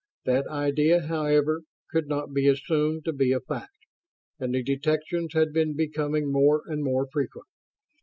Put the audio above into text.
That idea, however, could not be assumed to be a fact, and the detections had been becoming more and more frequent.